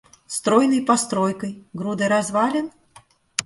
Стройной постройкой, грудой развалин?